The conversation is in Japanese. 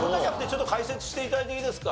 ちょっと解説して頂いていいですか？